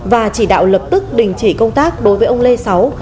và chỉ đạo lập tức đình chỉ công tác đối với ông lê sáu